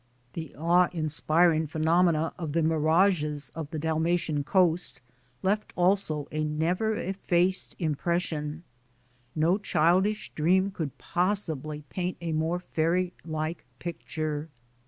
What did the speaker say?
The awe inspiring phenomenon of the mirages of the Dalmatian Coast left also a never effaced im pression. No childish dream could possibly paint a more fairy like picture.